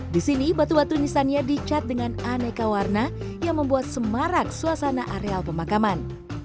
di sini batu batu nisannya dicat dengan aneka warna yang membuat semarak suasana areal pemakaman